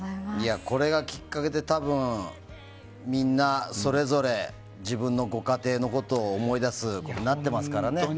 これがきっかけで、多分みんな、それぞれ自分のご家庭のことを思い出すことになっていますからね。